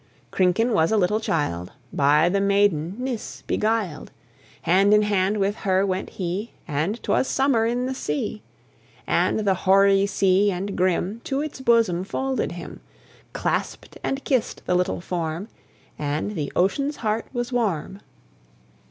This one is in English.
Krinken was a little child By the maiden Nis beguiled, Hand in hand with her went he And 'twas summer in the sea. And the hoary sea and grim To its bosom folded him Clasped and kissed the little form, And the ocean's heart was warm.